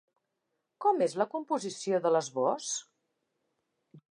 Com és la composició de l'esbós?